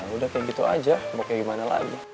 udah kayak gitu aja mau kayak gimana lagi